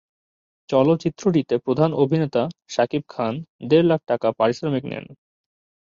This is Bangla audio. চলচ্চিত্রটিতে প্রধান অভিনেতা শাকিব খান দেড় লাখ টাকা পারিশ্রমিক নেন।